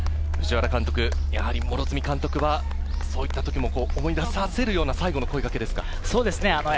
やはり両角監督はそういったときも思い出させるような最後の声掛けですか。